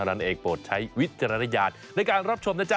นั่นเองโปรดใช้วิจารณญาณในการรับชมนะจ๊